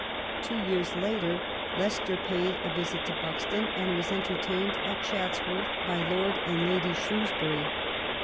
Two years later Leicester paid a visit to Buxton i6o QUEEN ELIZABETH, and was entertained at Chatsworth by Lord and Lady Shrewsbury.